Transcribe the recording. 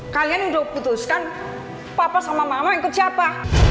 kalian sudah putuskan papa sama mama ikut siapa